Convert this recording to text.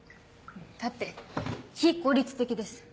だって非効率的です。